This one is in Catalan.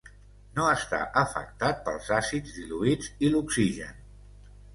No està afectat pels àcids diluïts i l'oxigen.